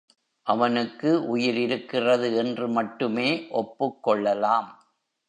அவனுக்கு உயிர் இருக்கிறது என்று மட்டுமே ஒப்புக்கொள்ளலாம்.